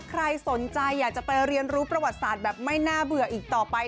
ใครสนใจอยากจะไปเรียนรู้ประวัติศาสตร์แบบไม่น่าเบื่ออีกต่อไป